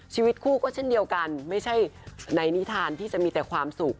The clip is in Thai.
ชีวิตคู่ก็เช่นเดียวกันไม่ใช่ในนิทานที่จะมีแต่ความสุข